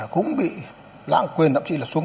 dự án metro